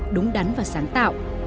đúng đắn và sáng tạo